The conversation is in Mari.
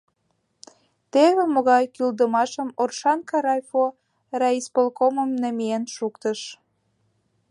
Теве могай кӱлдымашыш Оршанка райфо райисполкомым намиен шуктыш.